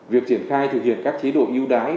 việc triển khai thực hiện các chế độ ưu đái